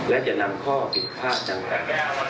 และจะนำก้อผลภาษณ์จังหรือ